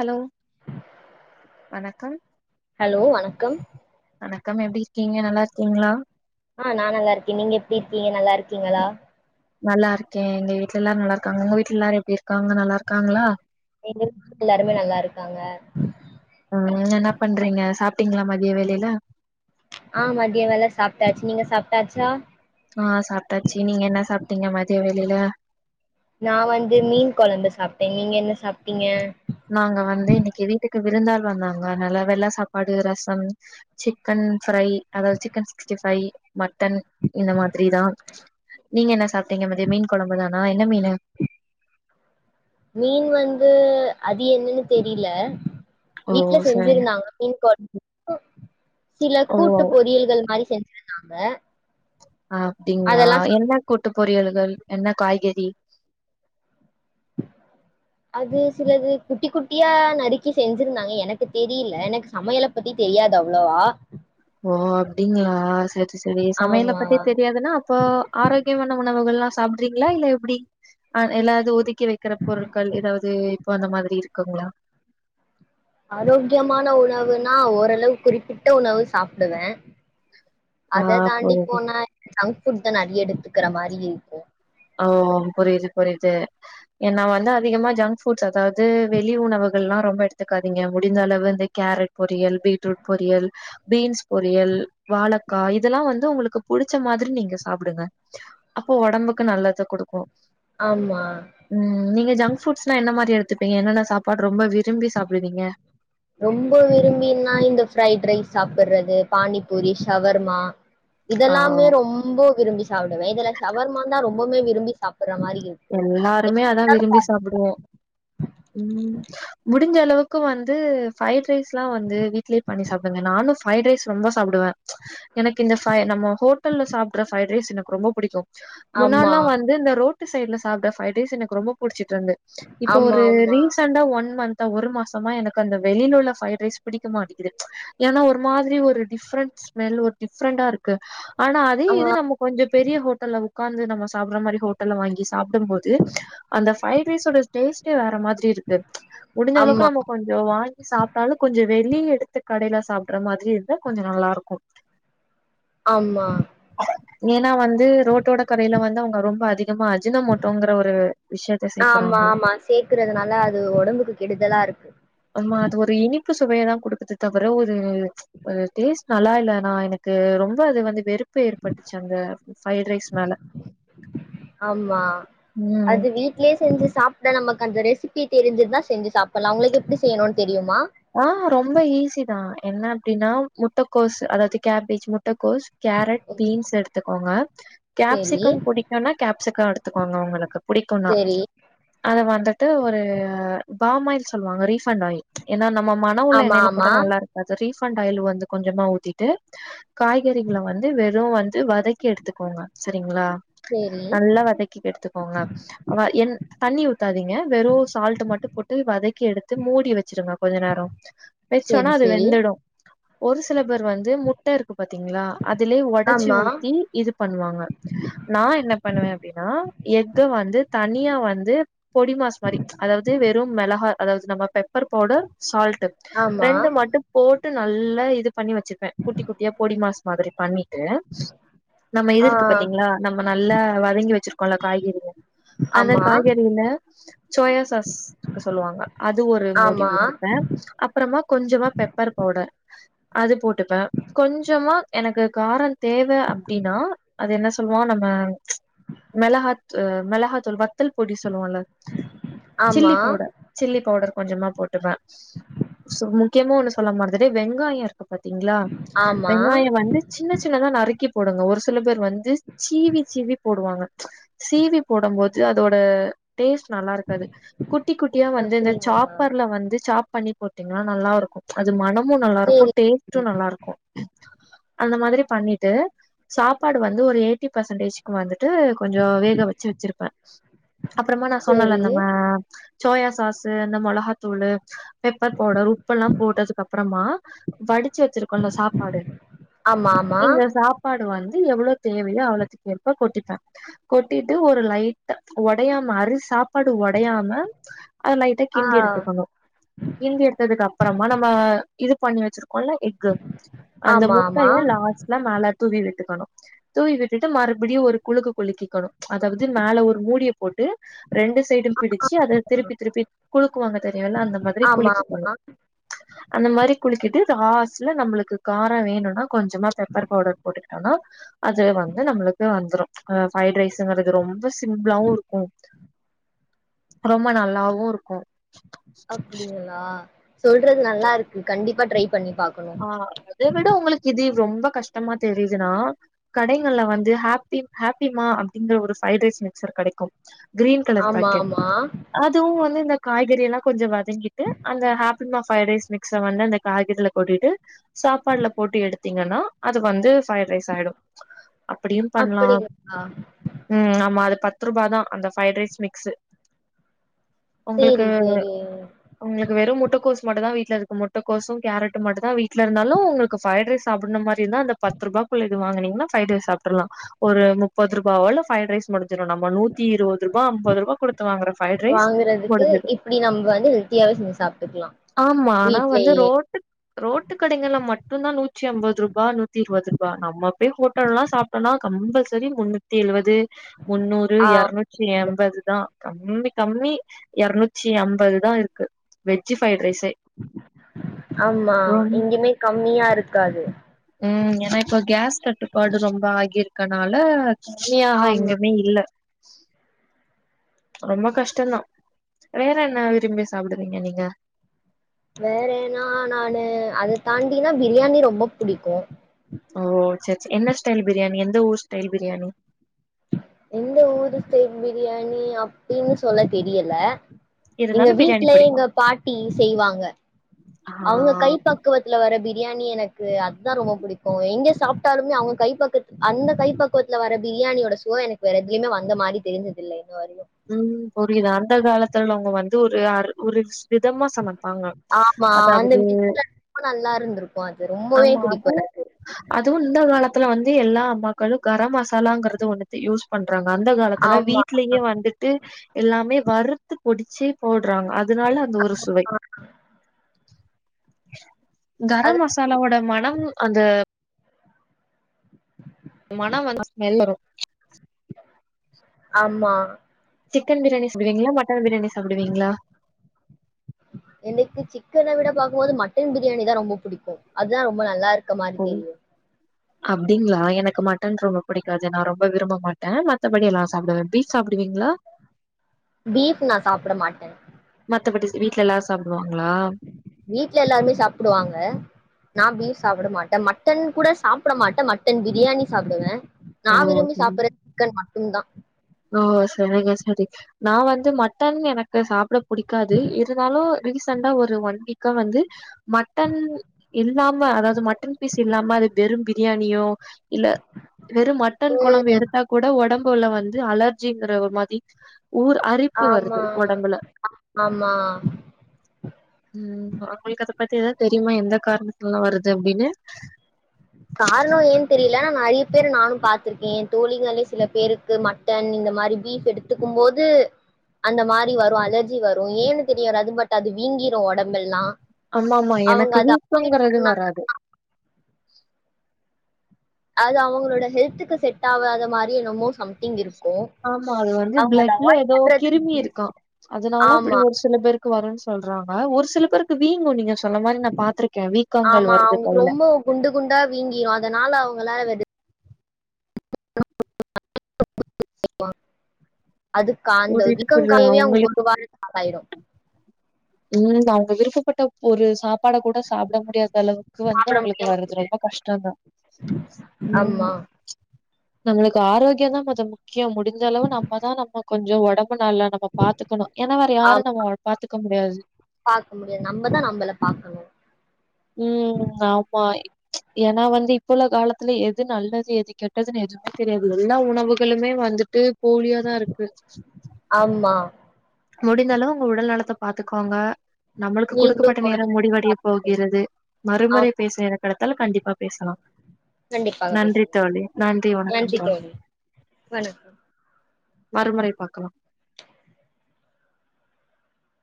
Hello வணக்கம் hello வணக்கம் வணக்கம் எப்படி இருக்கீங்க நல்லா இருக்கீங்களா ஆ நா நல்லா இருக்கே நீங்க எப்டி இருக்கீங்க நல்லா இருக் இருக்கீங்களா நல்லா இருக்கே எங்க வீட்டுல எல்லாரு நல்லா இருக்காங்க உங்க வீட்டுல எல்லாரு எப்டி இருக்காங்க நல்லா இருக்காங்களா எங்க வீட்ல எல்லாருமே நல்லா இருக்காங்க ட்டீங்களா மதிய வேலையில ஆ மதிய வேல சாப்ட்டாச்சு நீங்க சாப்ட்டாச்சா ஆ சாப்ட்டாச்சு நீங்க என்ன சாப்ட்டீங்க மதிய வேலையில நா வந்து மீன் கொழம்பு சாப்பிட்டே நீங்க என்ன சாப்ட்டீங்க நாங்க வந்து இன்னைக்கு வீட்டுக்கு விருந்தாள் வந்தாங்க அதனால வெள்ள சாப்பாடு ரசம் சிக்கன் ஃப்ரை அதாவது chicken sixty five mutton இந்த மாதிரிதா நீங்க என்ன சாப்ட்டீங்க மதியோ மீன் கொழம்புதானா என்ன மீன்னு மீன் வந்து அது என்னன்னு தெரியில ஓ வீட்டுல சரி செஞ்சிருந்தாங்க மீன் கொழம்பு சில ஓ கூட்டு பொறியல்கள் மாரி செஞ் இருந்தாங்க அப்டிங்களா என்ன கூட்டுப் பொ பொறியல்கள் என்ன காய்கறி அது சிலது குட்டி குட் ட்டியா நறுக்கி செஞ்சிருந்தாங்க எனக்கு தெரியில எனக்கு சமையல பத்தி தெரியாது அவ்ளவா ஓ அப்டிங்களா சேரி செரி சமையல ஆமா பத்தி தெரியாதுன்னா அப்போ ஆரோக்கியமான உணவுகள்லா சாப்பிட்றீங்களா இல்ல எப்டி ஆ எல்லாது ஒதுக்கி வெக்கற பொருட்கள் எதாவது இப்போ அந்த மாரி இருக்குங்களா ஆரோக்கியமான உணவுனா ஓரளவுக்கு குறிப்பிட்ட உணவு சாப்டுவே ஆ அத தாண்டி புரியுது. போனா ஜங் ஃப்ரூட் தா நெறைய எடுத்துக்கற மாரி இருக்கு ஓ ஓ புரியுது புரியுது என்ன வந்து அதிகமா ஜங்க் புட்ஸ் அதாவது வெளி உணவுகள்லா ரொம்ப எடுத்துக்காதீங்க முடிந்த அளவு இந்த கேரட் பொறியல் பீட்ரூட் பொறியல் பீன்ஸ் பொரியல் வாழக்கா இதெல்லா வந்து உங்களுக்கு புடிச்ச மாதிரி நீங்க சாப்புடுங்க அப்போ ஒடம்புக் க்கு நல்லது குடுக்கு ஆமா உம் நீங்க ஜங்க் ஃபுட்ஸ்னா என்ன மாரி எடு இப்ப என்னென்ன சாப்பாடு ரொம்ப வி ரொம்ப விரும்பீன்னா இந்த ஃப்ரைட் ரைஸ் சாப்புட்றது பானி பூரி ஷவர்மா ஆ இதெல்லாமே ரொம்ப விரும்பி சாப்படுவே இதுல ஷவர்மா தா ரொம்பமுமே விரும்பி சாப் எல்லாருமே அதா விரும்பி சாப்புடுவோம் ம் முடிஞ்ச அளவுக் க்கு வந்து ஃப்ரைட் ரைஸ்லா வந்து வீட்லியே பண்ணி சாப்டுங்க நானு ஃப்ரைட் ரைஸ் ரொம்ப சாப்டுவே எனக்கு இந்த நம்ம ஹோட்டல்ல சாப்புட்ற ஃப்ரைட் ரைஸ் எனக்கு ரொம்ப பிடிக்கு ஆமா முன்னாட்லா வந்து இந்த ரோட் ட்டு சைட்ல சாப்புட்ற ஃப்ரைட்ரைஸ் எனக்கு ரொம்ப புடிச்சு இருந்து இப்போ ஆமா ஒரு ஆமா ரீசண்ட்டா ஒன் மந்த் ஒரு மாசமா எனக்கு அந்த வெளில உள்ள ஃப்ரைட் ரைஸ் பிடிக்க மாட்டிக்குது ஏன்னா ஒரு மாதிரி ஒரு டிஃப்ரெண்ட் ஸ்மெல் ஒரு டிஃப்ரெண்டா இருக்கு ஆனா அதே ஆ இது நம்ம கொஞ்சம் பெரிய ஹோட்டல்ல உக்காந்து நாம சாப்ற மாரி ஓ டல்ல வாங்கி சாப்பிடும் போது அந்த ஃப்ரைட் ரைஸ் யோட டேஸ்டே வேற மாதிரி இருக்கு முடிஞ்ச ஆமா அளவுக்கு நம்ம கொஞ்சம் வாங்கி சாப்பிட்டாலும் கொஞ்சம் வெளியே அத்து கடையில சாப்பிட்ற மாதிரி இருந்த கொஞ்சம் நல்லா இருக்கும் ஆமா ஏன்னா வந்து ரோட்டோட கடையில வந்து அவங்க ரொம்ப அதிக ஆமா சேக்குறாங்க ஆமா சேர்க்கறதுனால அது உடம்புக்கு கெடுதலா இருக்கு ஆமா அது ஒரு இனிப்பு சுவையை தான் கொடுக்குது தவிர ஒரு டேஸ்ட் நல்லா இல்லைனா எனக்கு ரொம்ப அது வந்து வெறு ருப்ப ஏற்பட்டுச்சு அந்த ஃப்ரைட் ரைஸ் மேல ஆமா உம் இல்ல நமக்கு அந்த ரெசிபி தெரிஞ்சது தான் செஞ்சு சாப்பிடலாம் உங்களுக்கு எப்படி செய்யணும்னு தெரியுமா ஆஹ் ரொம்ப ஈஸி தான் என்ன அப்டீன்னா முட்டைக்கோசு அதாவது கேபேஜ் மு முட்டகோஸ் கேரட் பீன்ஸ் எடுத்துக்கோங்க செரி கேப்சிகம் புடிக்கும்னா கேப்சிகம் எடுத்துக்கோங்க உங்களுக்கு புடிக்கும்னா செரி அத வந்துட்டு ஒரு பாமாயில் சொல்லுவாங்க ரீஃபண்ட் ஆயில் என்ன ன நம்ம மன உள்ள ஆமா எண்ணையில போட ஆமா நல்லா இருக்காது ரீ பண்ட் வந்து கொஞ்சமா ஊத்திட்டு காய்கறிகள வந்து வெறும் வந்து வதக்கி எடுத்துக்கோங்க சரிங்களா சேரி நல்லா வதக்கி எடுத்துக்கோங்க என் தண்ணி ஊ தீங்க வெறும் சால்ட் மட்டும் போட்டு வதக்கி எடுத்து மூடி வை கொஞ்சொ நேரொ வெச்சோனா சேரி அது சேரி வெந்துடு ஒரு சில வந்து முட்ட இருக்கு பாத்தீங்களா அதுலயே ஒடச்சு ஆமா ஊத்தி இது பண்ணுவாங்க நா என்ன பண்ணுவே அப்படின்னா எது வந்து தனியா வந்து பொடி மாஸ் மாரி அதாவது வெறு மிளகா அதாவது நம்ம பெப்பர் பவுடர் சால் ட் ஆமா ரெண்டு மட்டும் போட் டு நல்லா இது பண்ணி வெச்சிப்பே குட்டி குட்டியா பொடி மாஸ் மாதிரி பண்ணி நம்ம இது ஆ இருக்கு பாத்தீங்களா நம்ம நல்லா வதங்கி வெச்சிருக்கோம்ல்ல காய்கறிக அந்த ஆமா காய்கறில சோயா சாஸ் இருக்கு சொல்லுவாங்க அது ஒரு மூடி ஆமா அப்புறமா கொஞ்சமா பெப்பர் பவுடர் அது போட்டுப்பே கொஞ்சமா எனக்கு காரொ தேவ அப்படின்னா அது என்ன சொல்லுவோ நம்ம மிளகா மிளகாத்தூள் பொடி சொல்லுவோல்ல ஆமா சில்லி பவுடர் சில்லி பவுடர் கொஞ்சமா போட் டுப்பே சோ முக்கியமா ஒண்ணு சொல்ல மறந்துட்டே வெங்காய இருக்க பாத்தீங்களா ஆமா வெங்காயொ வந்து சின்ன சின்னதா நறுக்கி போடுங்க ஒரு சில பேர் வந்து சீவி சீவி போடுவாங்க சிவி போடும் போது அதோட டேஸ்ட் நல்லா இருக்காது குட்டி குட்டியா வந்து இந்த அப்டிங்களா சாப்பர்ல வந் பண்ணி போட்டீங்னா நல்லா இருக்கு அது மன மு நல்லாருக்கு சேரி டேஸ்ட்டு நல்லாருக்கு அந்த மாதிரி பண்ணிட்டு சாப்பாடு வந்து ஒரு எயிட்டி பெர்சன்டேஜ்க்கு வந்து ட்டு கொஞ்சொ வேக வெச்சு வெச்சிருப்பே அப்புறமா நா சொன்னன்ல சேரி இந்தமா சோயா சாசு அந்த மொளகாத்தூளு பெப்பர் பவுடர் உப்பெல்லா போட்டதுக்கு அப்புறமா வடிச்சு வெச்சிருக்கோல்ல சாப்பாடு ஆமா ஆமா இந்த சாப்பாடு வந் எவ்வளவு தேவயோ அளவுக்கு ஏற்ப கொட்டிப்பே கொட்டிட்டு ஒரு லைட் ஒடையாம அரி சாப் ப்பாடு ஒடையாம அது லைட்டா ஆ கிண்டி எடுத்துக்கணு கிண்டியெடுத்ததுக்கு அப்புறமா நம்ம இது பண்ணி வெச்சிருக் கோல்ல எக்கு அந்த ஆமா ஆமா முட்டய லாஸ்ட்ல மேல தூவி விட்டுக்கணு தூவி விட்டுட்டு மறுபடியு ஒரு குலுக்கு குலுக்கிக்கணு அதாவது மேல ஒரு மூடிய போட்டு ரெண்டு சைடும் பிடிச்சு அத திருப்பி திருப்பி குலுக்குவாங்க தெ ல்லாம் அந்த மாதிரி ஆமா ஆமா குளிக்கிக்கணும் அந்த மாதிரி குளிக்கிட்டு லாஸ்ட்ல நம்மளுக்கு கார வேணுனா கொஞ்சமா பெப்பர் பவுடர் போட்டுட்டிட்டோம்னா அது வந்து நம்மளுக்கு வந்துடரு ஃரைட் ரைஸ்ங்கிறது ரொம்ப சிம்பிளாவு இருக்கு ரொம்ப நல்லாவு இருக்கு அப்டிங்களா சொல்றது நல்லா இருக்கு கண்டிப்பா ட்ரைப் ஆ அத விட உங்களுக்கு இது ரொம்ப கஷ்டமா தெரியுதுன்னா கடைகள்ல வந்து ஹாப்பி ஹாப்பிமா அப்படிங்கற ஒரு ஃபிரைட் ரைஸ் மிக்சர் கெடைக்கும் கிரீன் கலர் ஆமா பாக்கெட் ஆமா அதுவும் வந்து இந்த காய்கறி எல்லா கொஞ்ச வத ங்கிட்டு அந்த ஹாப் ப்பிமா ஃபிரைட் ரைஸ் மிக்ஸல அந்த காய்கறில போட்டிட்டு சாப்பாடுல போட்டு எடுத்தீங்கன்னா அது வந்து ஃபிரைட் ரைஸ் ஆயிடும் அப்படியும் பண்லா அப்டிங்களா ரூபாதா அந்த ஃபிரைட் ரைஸ் மிக்ஸ் உங்களுக்கு சேரி சேரி உங்களுக்கு வெறும் முட்டக்கோஸ் மட்டுதா வீட்ல இருக்கு முட்ட கோசும் கேரட் மட்டும் தா வீட்ல இருந்தாலு உங்களுக்கு ஃபிரைட் ரைஸ் சாப்பிடனு மாரி இருந்தா அந்த பத்து ரூபாகுள்ள இது வாங்குனீங்கன்னா ஃபிரைட் ரைஸ் சாப் ட்ரலாம் ஒரு முப்பது ரூபா [unintelligible] நம்ம நூத்தி இருபது ரூபா ஐம்பது ரூபா கொடுத்து வாங்குர ஃபிரைட் ரைஸ் வாங்குறதுக்கு முடிஞ்சிடு இப்டி நம்ம வந்து ஹெல்த்தியாவே செஞ்சு சாப்ட்டுக்கலா ஆமா ஆனா வந்து வீட்லயே ரோட் ரோட்டு கடைங்கல்லா மட்டுந்தா நூற்றி ஐம்பது ரூபா நூத்தி இருபது ரூபா நம்ம பேய் குடுத் நல்லா சாப்ட்டோம்னா கம்பல்சரி முன்னூத்தி எழுவது முன்னூறு ஆ இரநூற்றி எண்பது தா கம்மி கம்மி இரநூற்றி அம்பதுதா இருக்கு வெஜ் ஃபிரைட் ரைஸே ஆமா ரொம்ப எங்கயுமே கம்மியா க்காது ம் ஏனா இப்ப கேஸ் கட்டுப்பாடு ரொம்ப ஆகிருக்கனால [unintelligible] ஆமா. எங்குமே இல்ல ரொம்ப கஷ்டந்தா வேற என்ன விரும்பி சாப்டுவீங்க நீங்க வேறன்னா நானு அத தாண் ப்படின்னா பிரியாணி ரொம்ப புடிக்கூ ஓ செரி செரி என்ன ஸ்டைல் பிரியாணி எந்த ஊர் ஸ்டைல் பிரியாணி எந்த ஊரு ஸ்டைல் பிரியாணி அப்டின் சொல்ல தெரியல எங்க இருந்தாலு பிரியாணி வீட்லயே பிடிக்கு எங்க பாட்டி செய்வாங்க ஆ அவுங்க கைப்பக்குவத்துல வர பிரியாணி எனக்கு அதுதா ரொம்ப புடிக்கூ எங்க சாப்ட்டாலுமே அவுங்க கைப்பக்கத்து அந்த கைப்பக்வத்துல வர பிரியாணியோட சுவ எனக்கு வேற எத்லியுமே வந்த மாரி தெரிஞ்சதில்ல இது வரையு உம் புரியுது அந்த காலத்துல்லவங்க வந்து ஒரு அ ஒரு விதமா சமைப்பாங்க ஆமா. அந்த அதாவது ரொம்ப நல்லா இருந்திருக்கும் அது. ரொம்பவே ஆமா புடிக்கும் அதுவு எனக்கு. அதுவு இந்த கால காலதுல வந்து எல்லா அம்மாக்களு கரம் மசாலாங்றது ஒண்ணுத யூஸ் பண்ண ராங்க அந்த காலத்துல ஆமா. வீட்லயே வந்துட்டு எல்லாமே வறுத்து பொடிச்சே போடு ராங்க அதுனால அந்த ஒரு சுவை அது கரம் மசாலாவோட மனம் அந்த மனம் வந்து ஸ்மெல் வரு ஆமா சிக்கன் பிரியாணி சாப்டுவீங்ளா மட்டன் பிரியாணி சாப்டுவீங்களா எனக்கு சிக்கன் விட பாக் போது மட்டன் பிரியாணி தா ரொம்ப புடிக்கூ அதுதா ரொம்ப நல்லா இருக்கு கமாறி ஓ தெரியு அப்டிங்களா எனக்கு மட்டன் ரொம்ப புடிக்காது நா ரொம்ப விரும்ப மாட்டே மத்தபடி எல்லா சாப்டுவே பீப் சாப்டுவீங்ளா பீப் நா சாப்ட மாட்டே மத்த படி வீட்ல எல்லாரு சாப்டுவாங்க வீட்டல எல்லாருமே சாப்டுவாங்க நான் பீப் சாப்ட மாட்டே மட்டன் கூட சாப்ட மாட்டே மட்டன் பிரியாணி சாப்டுவே நா ஓ விரும்பி சரி சாப்புடுறது சிக்கன்தா ந்த ஓ சரிங்க சரி நா வந்து மட்டன் எனக்கு சாப்ட புடிக்காது இருந்தாலு ரீசனடா ஒரு ஒன் வீக்கா வந்து மட்டன் இல்லாம அதாவுது மட்டன் பீஸ் இல்லாம அது வெறு பிரியாணியோ இல்ல வெறு மட்டன் ம் கொழம்பு எடுத்தா கூட உடம்பு போல்லா அலர்ஜிங்ற ஒரு மாரி ஊர் அரிப்பு வருது ஆமா ஒடம்புல ஆமா உம் அவுங்ளுக்கு பத்திதா தெரியுமா எந்த காரணத்துல்லா வருது அப்டின்னு காரணோ ஏன் தெரியல ஆனா நம் நெறைய பேர் நானு பாத்ருக்கே என் தோழிகள்லே சில பேருக்கு மட்டன் இந்த மாரி பீஃப் எடுத்துக்கு போது அந்த மாரி வரு அலர்ஜி வரு ஏன்னு தெரிய வராது பட் அது வீங்கிரு ஒடம்பல்லா ஆமாமா எனக்கு வீகொங்றது வராது அது அவுங்களோட ஹெல்த்துக்கு செட் ஆகாத மாரி என்னமோ சம்திங் இருக்கு ஆமா அது வந்து அவங்க அத பிளட்ல அவாய்ட் எதோ பண்றது கிருமி இருக்கான் அதுனால இப்புடி ஆமா ஒரு சில பேருக்கு வருன் சொல்றா ஆஹ் ஒரு சில பேருக்கு வீங்கு நீங்க சொன்ன மாரி நா பாத்திருக்கே வீக்கங்கள் ஆமா வருது அவுங்குளுக்கு கைல ரொம்போ குண்டு குண்டா வீங்கிரு அதனால அவுங்கள வெடு [inaudible] அது ஒரு காந்து வீக்கோ இதுக்கு கமமியா அவுங்ளுக்கு அவங்களுக்கு ஒரு வார [inaudible] நாளாயிடு உம் அவுங்க விருப்பப்பட்ட ஒரு சாப்பாட கூட சாப்ட முடியாது அந்தளவுக்கு வந்து சாப்பிட அவுங்களுக்கு முடியாம வர்றது போயிரு ரொம்ப கஷ்டந்தா ஆமா உம் நம்மளுக்கு ஆரோக்கியோந்தா மொத முக்யம் முடிஞ்ச அளவு நம்ம தா நம்ம கொஞ்சோ ஒடம் பு நல்லா நம்ம பாத்துக்குணு ஏனா வேற யாரு ஆமா நம்மோ பா்த்துக்க முடியாது பாக்க முடியாது நம்மதா நம்மள பாக்கணு உம் ஆமா ஏனா வந்து இப்ப உள்ள காலத்துல எது நல்லது எது கெட்டதுன் எதும்மே தெரியாது எல்லா உணவுகளுமே வந்துட்டு போலியாதா இருக்கு ஆமா முடிந்த அளவு உங்க உடல் நலத்த பாத்துக்கோங்க நம்மள்க்கு நீங்களு குடுக்கப்பட்ட நேரம் உடல் முடிவடைய போகிறது மறுமுறை ஆமா பேசுற ந கடத்தால் கண்டிப் அஹ் பேசலா கண்டிப்பாக நன்றி பேசலா தோழி நன்றி வணக்கம் தோழி வணக்கம் மறுமுறை பாக்கலா